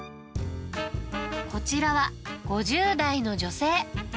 こちらは５０代の女性。